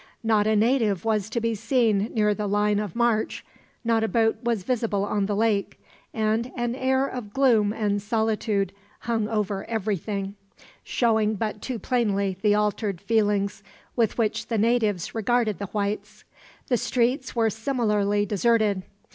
Not a native was to be seen near the line of march, not a boat was visible on the lake, and an air of gloom and solitude hung over everything; showing but too plainly the altered feelings with which the natives regarded the whites. The streets were similarly deserted.